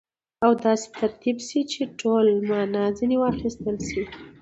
او داسي ترتیب سي، چي ټوله مانا ځني واخستل سي.